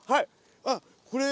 あっこれ。